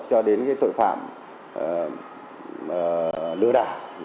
cho đến tội phạm lừa đảo